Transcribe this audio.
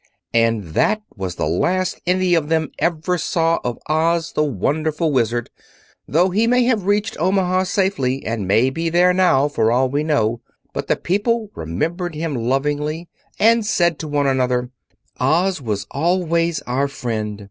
And that was the last any of them ever saw of Oz, the Wonderful Wizard, though he may have reached Omaha safely, and be there now, for all we know. But the people remembered him lovingly, and said to one another: "Oz was always our friend.